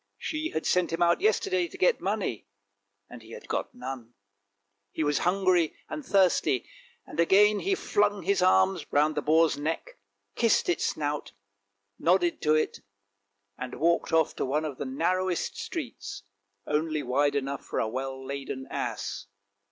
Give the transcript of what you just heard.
She had sent him out yesterday to get money, and he had got none. He was hungry and thirsty, and again he flung his arms round the boar's neck, kissed its snout, nodded to it, and walked off to one of the narrowest streets, only wide enough for a well laden ass.